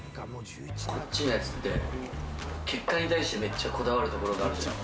こっちのやつって、結果に対してめっちゃこだわるところがある。